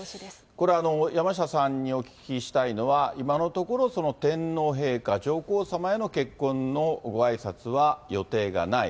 これ、山下さんにお聞きしたいのは、今のところ、天皇陛下、上皇さまへの結婚のごあいさつは予定がない。